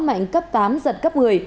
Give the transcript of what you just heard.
mạnh cấp tám giật cấp một mươi